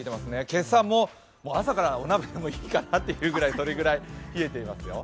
今朝も朝からお鍋もいいかなってぐらい、それぐらい冷えてますよ。